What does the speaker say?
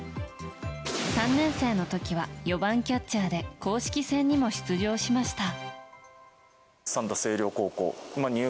３年生の時は４番キャッチャーで公式戦にも出場しました。